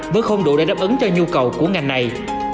vẫn không đủ để đáp ứng cho nhu cầu của ngành này